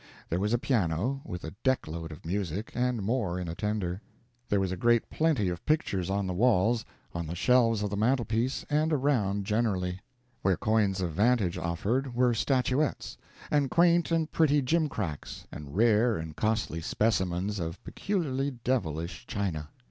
There was a piano, with a deck load of music, and more in a tender. There was a great plenty of pictures on the walls, on the shelves of the mantelpiece, and around generally; where coigns of vantage offered were statuettes, and quaint and pretty gimcracks, and rare and costly specimens of peculiarly devilish china.